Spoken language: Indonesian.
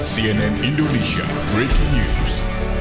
cnn indonesia breaking news